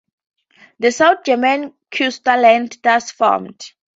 The South German Cuesta Land thus formed.